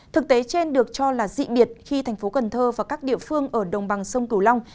thực tế trên được cho là dị biệt khi thành phố cần thơ và các địa phương ở đồng bằng sông cửu long